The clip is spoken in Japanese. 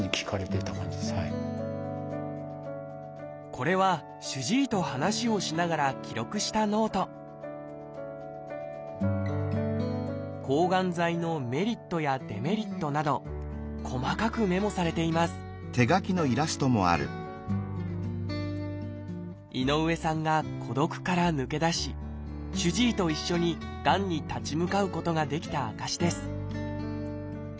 これは主治医と話をしながら記録したノート抗がん剤のメリットやデメリットなど細かくメモされています井上さんが孤独から抜け出し主治医と一緒にがんに立ち向かうことができた証しです